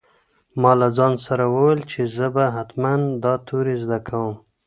ما له ځان سره وویل چې زه به هم حتماً دا توري زده کوم.